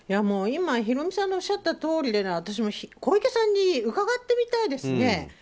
今、ヒロミさんのおっしゃったとおりで小池さんに伺ってみたいですね。